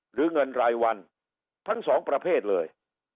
หรือเงินรายวันทั้งสองประเภทเลย